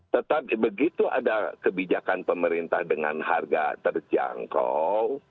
tetapi begitu ada kebijakan pemerintah dengan harga terjangkau